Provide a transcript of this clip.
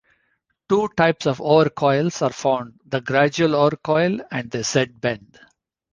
Two types of overcoils are found - the gradual overcoil and the Z-Bend.